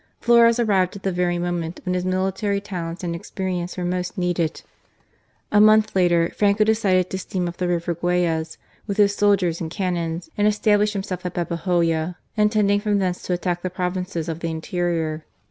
Flores arrived at the very moment when his military talents and experience were most needed. A month later Franco decided to steam up the River Guayas with his soldiers and cannons, and establish himself at Babahoya, intending from thence to attack the provinces of the interior.